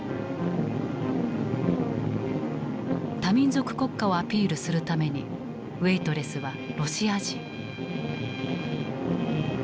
多民族国家をアピールするためにウエイトレスはロシア人。